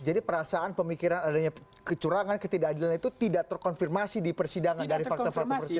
jadi perasaan pemikiran adanya kecurangan ketidakadilan itu tidak terkonfirmasi di persidangan dari fakta fakta persidangan